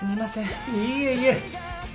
いえいえ。